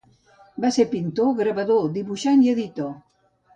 Va ser pintor, gravador, dibuixant i editor.